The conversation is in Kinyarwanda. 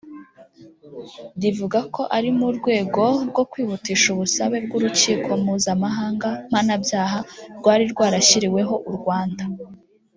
rivuga ko ari mu rwego rwo kwihutisha ubusabe bw’ Urukiko Mpuzamahanga Mpanabyaha rwari rwarashyiriweho u Rwanda